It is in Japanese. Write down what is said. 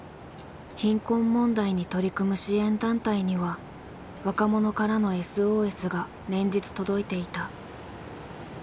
貧困問題に取り組む支援団体には若者からのＳＯＳが連日届いていた。